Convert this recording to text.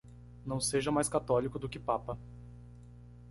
Não seja mais católico do que papa.